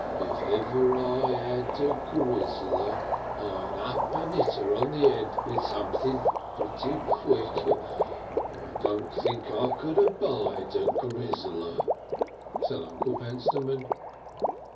"If ever I'd 'ad a grizzler I'd up and 'it 'er on the 'ed with sumpthin' pretty quick. I don't think I could abide a grizzler," said Uncle Pentstemon.